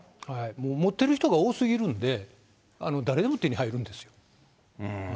もう、持ってる人が多すぎるんで、誰でも手に入るんですよ。